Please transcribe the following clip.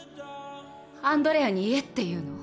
アンドレアに言えっていうの？